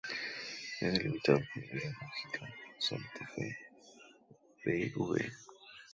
Es delimitado por Vera Mujica, Santa Fe, Bv.